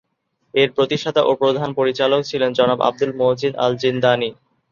এর প্রতিষ্ঠাতা ও প্রধান পরিচালক হলেন জনাব আব্দুল মাজিদ আল-জিনদানি।